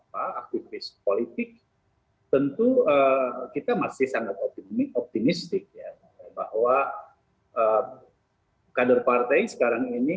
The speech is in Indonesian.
pada aktivis politik tentu kita masih sangat optimis dan optimistik bahwa kader partai sekarang ini